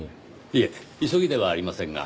いえ急ぎではありませんが。